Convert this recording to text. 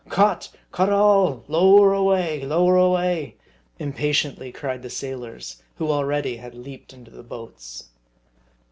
" Cut ! cut all ! Lower away ! lower away !" impa tiently cried the sailors, who already had leaped into the boats.